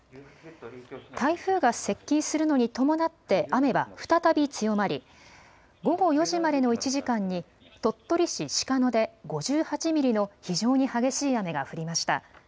台風が接近するのに伴って雨は再び強まり、午後４時までの１時間に、鳥取市鹿野で５８ミリの、非常に激しい雨が降りました。